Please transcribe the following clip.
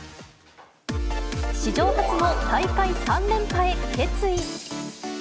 史上初の大会３連覇へ、決意。